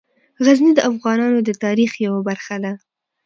غزني د افغانانو د تاریخ یوه برخه ده.